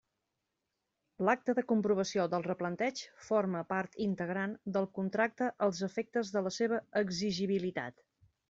L'acta de comprovació del replanteig forma part integrant del contracte als efectes de la seva exigibilitat.